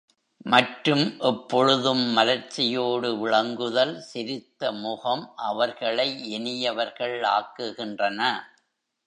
மற்றும் எப்பொழுதும் மலர்ச்சியோடு விளங்குதல், சிரித்த முகம் அவர்களை இனியவர்கள் ஆக்குகின்றன.